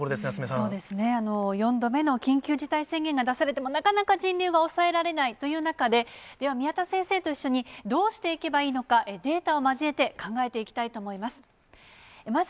そうですね、４度目の緊急事態宣言が出されても、なかなか人流が抑えられないという中で、宮田先生と一緒にどうしていけばいいのか、データを交えて考えていきたいと思います。